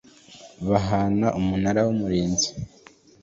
bahana umunara w umurinzi